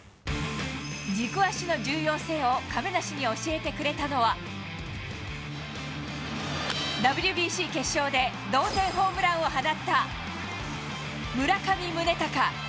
軸足の重要性を亀梨に教えてくれたのは、ＷＢＣ決勝で同点ホームランを放った村上宗隆。